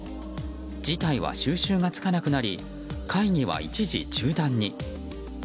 事態は収拾がつかなくなり会議は一時中断に。